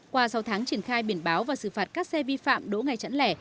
qua sáu tháng triển khai biển báo và xử phạt các xe vi phạm đỗ ngay chẵn lẻ